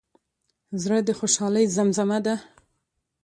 زړه د خوشحالۍ زیمزمه ده.